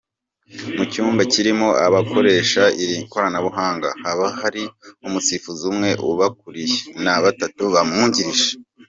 Mu cyumba kirimo abakoresha iri koranabuhanga, haba hari umusifuzi umwe ubakuriye , na batatu bamwungirije.